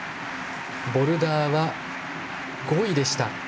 ボルダーは５位でした。